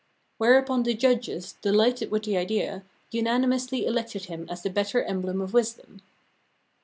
Whereupon the judges, delighted with the idea, unanimously elected him as the better emblem of wisdom!